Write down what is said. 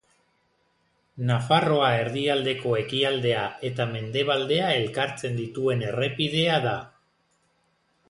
Nafarroa erdialdeko ekialdea eta mendebaldea elkartzen dituen errepidea da.